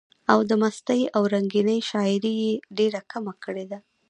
او د مستۍ او رنګينۍ شاعري ئې ډېره کمه کړي ده،